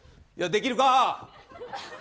いや、できるかー！